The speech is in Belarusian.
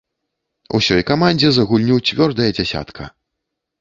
Усёй камандзе за гульню цвёрдая дзясятка.